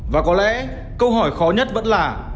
và có lẽ câu hỏi khó nhất vẫn là